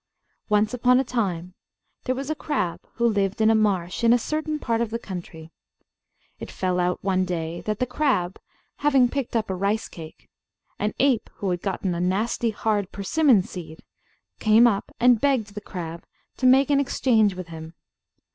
Once upon a time there was a crab who lived in a marsh in a certain part of the country. It fell out one day that, the crab having picked up a rice cake, an ape, who had got a nasty hard persimmon seed, came up, and begged the crab to make an exchange with him.